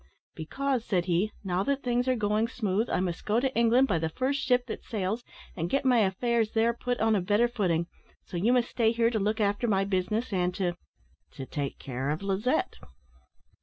"`Because,' said he, `now that things are going smooth, I must go to England by the first ship that sails, and get my affairs there put on a better footing, so you must stay here to look after my business, and to to take care of Lizette.'